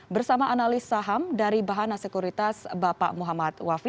bersama analis saham dari bahana sekuritas bapak muhammad wafi